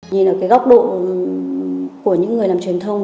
nhìn ở góc độ của những người làm truyền thông